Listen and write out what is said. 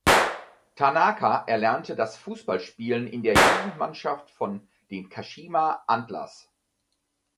Tanaka erlernte das Fußballspielen in der Jugendmannschaft von den Kashima Antlers.